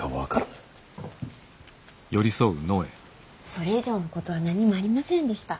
それ以上のことは何もありませんでした。